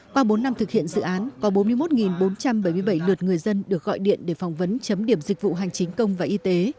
qua bốn năm thực hiện dự án có bốn mươi một bốn trăm bảy mươi bảy lượt người dân được gọi điện để phỏng vấn chấm điểm dịch vụ hành chính công và y tế